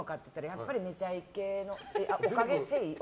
やっぱり「めちゃイケ」のせい？